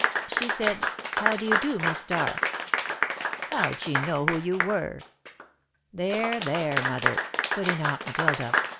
"She said: 'How do you do, Miss Starr?'" "How'd she know who you were?" "There, there, Mother," put in Aunt Matilda.